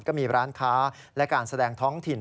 ก็มีร้านค้าและการแสดงท้องถิ่น